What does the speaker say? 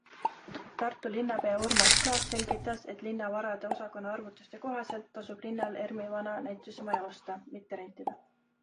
Tartu linnapea Urmas Klaas selgitas, et linnavarade osakonna arvutuste kohaselt tasub linnal ERMi vana näitusemaja osta, mitte rentida.